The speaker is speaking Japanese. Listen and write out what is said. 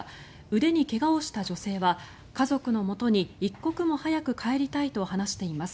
腕に怪我をした女性は家族のもとに一刻も早く帰りたいと話しています。